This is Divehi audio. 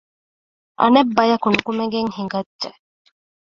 އަނެއް ބަޔަކު ނުކުމެގެން ހިނގައްޖެ